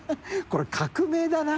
これ革命だな。